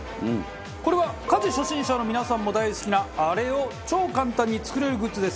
これは家事初心者の皆さんも大好きなあれを超簡単に作れるグッズです。